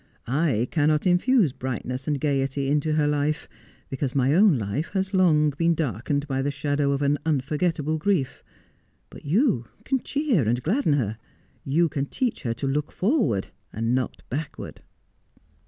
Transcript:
I cannot infuse brightness and gaiety into her life, because my own life has long been darkened by the shadow of an unforgettable grief. But you can cheer and gladden her. You can teach her to look forward and backward.'